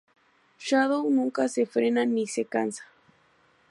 Shadow nunca se frena ni se cansa.